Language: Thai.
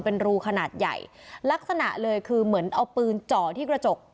เป็นรูขนาดใหญ่ลักษณะเลยคือเหมือนเอาปืนจ่อที่กระจก